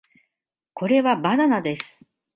これはバナナです